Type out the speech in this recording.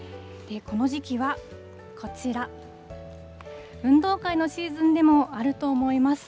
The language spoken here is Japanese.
この時期はこちら、運動会のシーズンでもあると思います。